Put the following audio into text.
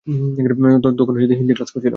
তখন হিন্দি ক্লাস করেছিলাম।